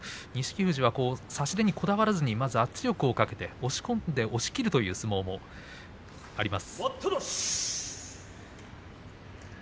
富士には差しにこだわらずに圧力をかけて押し込んで押しきるという相撲もあります。